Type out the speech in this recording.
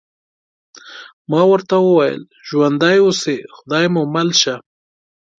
ما ورته وویل: ژوندي اوسئ، خدای مو مل شه.